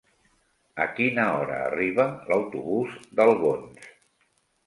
A quina hora arriba l'autobús d'Albons?